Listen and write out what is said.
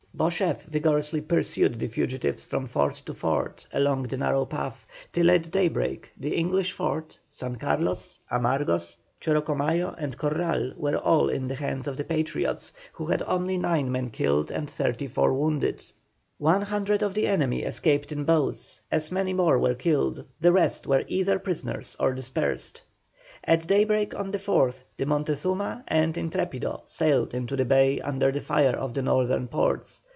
Beauchef vigorously pursued the fugitives from fort to fort along the narrow path, till at daybreak the English fort, San Carlos, Amargos, Chorocomayo, and Corral were all in the hands of the Patriots, who had only nine men killed and 34 wounded. One hundred of the enemy escaped in boats, as many more were killed, the rest were either prisoners or dispersed. At daybreak on the 4th the Montezuma and Intrepido sailed into the bay under the fire of the northern forts.